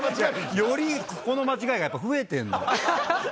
よりここの間違いが増えてるの。